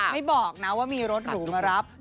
ไม่บอกนะว่ามีรถหรูมารับ